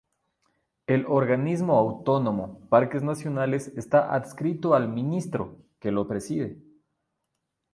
El organismo autónomo Parques Nacionales está adscrito al ministro, que lo preside.